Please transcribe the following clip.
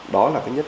đó là cái nhất